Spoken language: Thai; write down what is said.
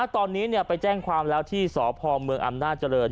ตอนนี้เนี่ยไปแจ้งความแล้วที่สพเมืองอำนาจรณ์